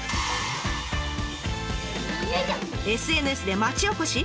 ＳＮＳで町おこし。